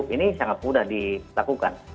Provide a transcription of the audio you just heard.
ini sangat mudah dilakukan